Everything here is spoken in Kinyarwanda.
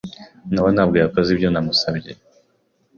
Nowa ntabwo yakoze ibyo namusabye.